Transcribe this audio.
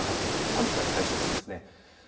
寒さが解消しますね。